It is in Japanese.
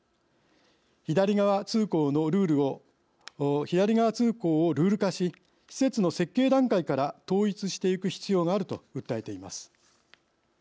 左側通行をルール化し施設の設計段階から統一していく必要があると訴えます。